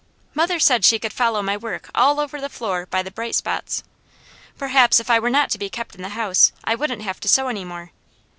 Mother said she could follow my work all over the floor by the bright spots. Perhaps if I were not to be kept in the house I wouldn't have to sew any more.